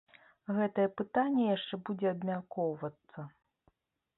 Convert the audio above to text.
Гэтае пытанне яшчэ будзе абмяркоўвацца.